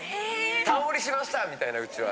「担降りしました」みたいなうちわ。